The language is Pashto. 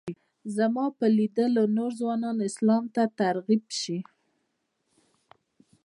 زما په لیدلو نور ځوانان اسلام ته ترغیب شي.